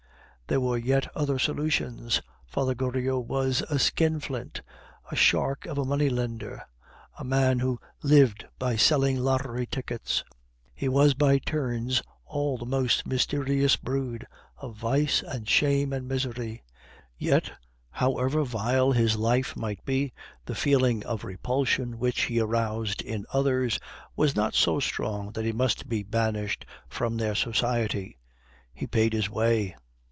There were yet other solutions; Father Goriot was a skinflint, a shark of a money lender, a man who lived by selling lottery tickets. He was by turns all the most mysterious brood of vice and shame and misery; yet, however vile his life might be, the feeling of repulsion which he aroused in others was not so strong that he must be banished from their society he paid his way.